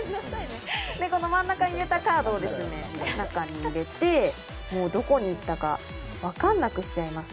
で、真ん中に入れたカードをですね、中に入れて、どこに行ったか、わからなくしちゃいます。